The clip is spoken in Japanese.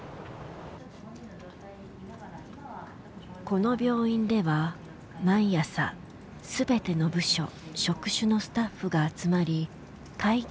この病院では毎朝全ての部署職種のスタッフが集まり会議を開く。